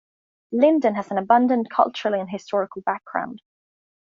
Lindon has an abundant cultural and historical background.